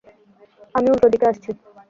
আমি উল্টো দিকে আসছি।